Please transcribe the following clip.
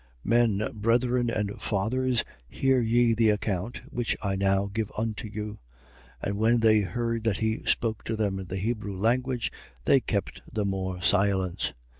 22:1. Men, brethren and fathers, hear ye the account which I now give unto you. 22:2. (And when they heard that he spoke to them in the Hebrew tongue, they kept the more silence.)